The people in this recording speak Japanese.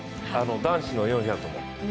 男子の４００も。